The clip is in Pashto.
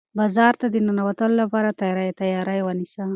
بازار ته د ننوتلو لپاره تیاری ونیسه.